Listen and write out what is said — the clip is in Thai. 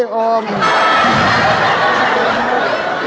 อาหารการกิน